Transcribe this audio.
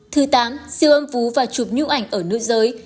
thứ tám siêu âm vú và chụp nhu ảnh ở nữ giới